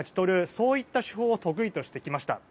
そういった手法を得意としてきました。